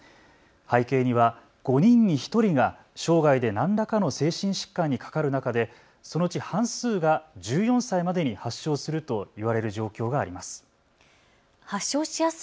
背景には５人に１人が生涯で何らかの精神疾患にかかる中でそのうち半数が１４歳までに発症するといわれる状況があります。